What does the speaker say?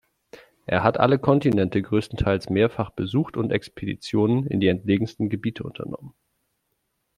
Er hat alle Kontinente, großenteils mehrfach, besucht und Expeditionen in die entlegensten Gebiete unternommen.